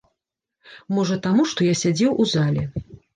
Можа таму, што я сядзеў у зале!